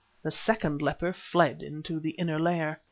The second leopard fled into the inner lair.